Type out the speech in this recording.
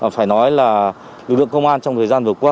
phải nói là lực lượng công an trong thời gian vừa qua